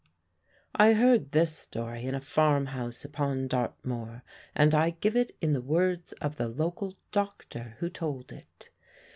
I heard this story in a farmhouse upon Dartmoor, and I give it in the words of the local doctor who told it.